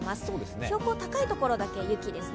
標高高い所だけ雪ですね。